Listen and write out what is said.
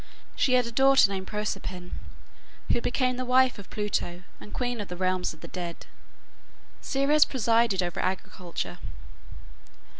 She had a daughter named Proserpine (Persephone), who became the wife of Pluto, and queen of the realms of the dead. Ceres presided over agriculture.